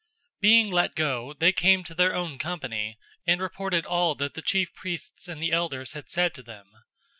004:023 Being let go, they came to their own company, and reported all that the chief priests and the elders had said to them.